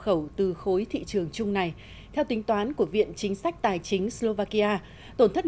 khẩu từ khối thị trường chung này theo tính toán của viện chính sách tài chính slovakia tổn thất